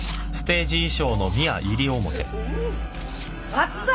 松田！